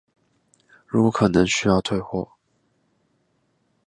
如果可能需要退貨